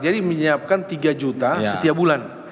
jadi menyiapkan tiga juta setiap bulan